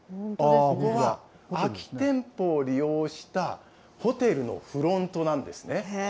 ここは空き店舗を利用した、ホテルのフロントなんですね。